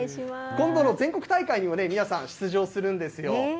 今度の全国大会にも皆さん、出場するんですよ。